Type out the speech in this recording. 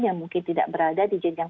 yang mungkin tidak berada di jenjang